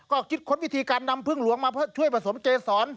ก็คิดค้นวิธีการนำพึ่งหลวงมาช่วยผสมเกษร